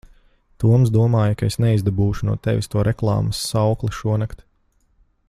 Toms domāja, ka es neizdabūšu no tevis to reklāmas saukli šonakt.